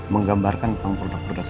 menggambarkan tentang produk produk